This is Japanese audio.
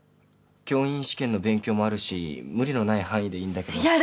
教員試験の勉強もあるし無理のない範囲でいいんだけど。